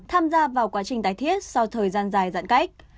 tham gia vào quá trình tái thiết sau thời gian dài giãn cách